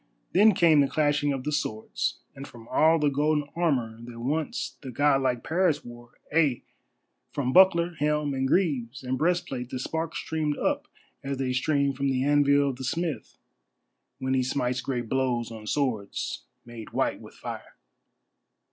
Then came the clashing of the swords, and from all the golden armour that once the god like Paris wore, ay, from buckler, helm, and greaves, and breastplate the sparks streamed up as they stream from the anvil of the smith when he smites great blows on swords made white with fire.